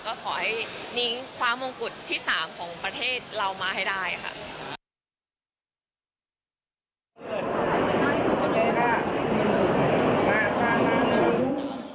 ก็ขอให้นิ้งคว้ามงกุฎที่๓ของประเทศเรามาให้ได้ค่ะ